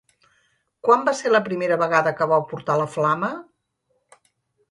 Quan va ser la primera vegada que vau portar la flama?